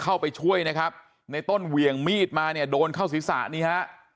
เข้าไปช่วยนะครับในต้นเหวี่ยงมีดมาเนี่ยโดนเข้าศีรษะนี่ฮะ